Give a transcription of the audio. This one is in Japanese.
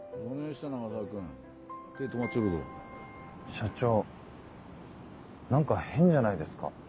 社長何か変じゃないですか？